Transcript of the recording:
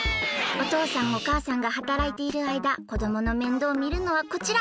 おとうさんおかあさんがはたらいているあいだこどものめんどうをみるのはこちら！